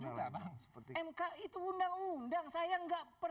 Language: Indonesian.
saya nggak pernah memperlukan